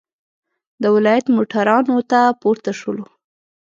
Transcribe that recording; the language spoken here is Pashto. د ولایت موټرانو ته پورته شولو.